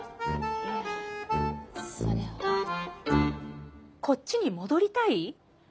いやそれはこっちに戻りたい？